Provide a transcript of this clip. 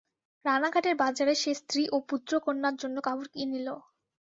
রানাঘাটের বাজারে সে স্ত্রী ও পুত্রকন্যার জন্য কাপড় কিনিল।